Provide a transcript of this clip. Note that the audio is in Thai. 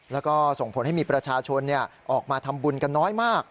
แล้วก็ส่งผลให้มีประชาชนออกมาทำบุญกันน้อยมาก